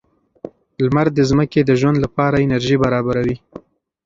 لمر د ځمکې د ژوند لپاره انرژي برابروي.